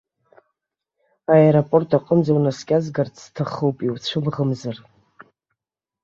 Аеропорт аҟынӡа унаскьазгарц сҭахуп, иуцәымӷымзар?